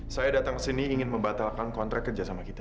saya datang ke sini ingin membatalkan kontrak kerjasama kita